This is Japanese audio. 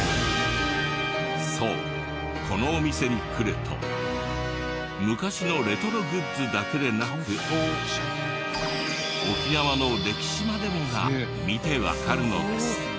そうこのお店に来ると昔のレトログッズだけでなく沖縄の歴史までもが見てわかるのです。